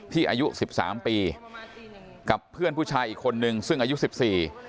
อายุสิบสามปีกับเพื่อนผู้ชายอีกคนนึงซึ่งอายุสิบสี่